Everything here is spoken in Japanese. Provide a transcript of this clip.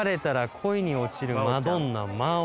「恋に落ちるマドンナマオ」